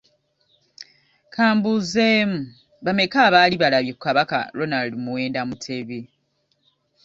Ka mbuuzeemu, bameka abaali balabye ku Kabaka Ronald Muwenda Mutebi?